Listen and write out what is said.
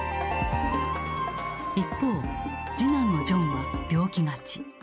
一方次男のジョンは病気がち。